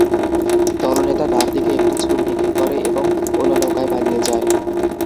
দলনেতা তার দিকে একটি ছুরি নিক্ষেপ করে এবং অন্য নৌকায় পালিয়ে যায়।